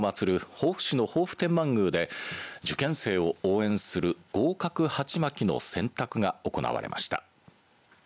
防府市の防府天満宮で受験生を応援する合格はちまきの洗濯が行われました。